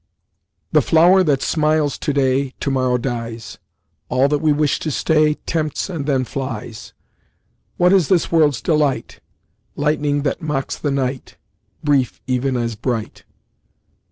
"The flower that smiles to day To morrow dies; All that we wish to stay, Tempts and then flies: What is this world's delight? Lightning that mocks the night, Brief even as bright."